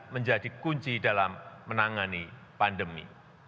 menjadi kunci dalam pandemi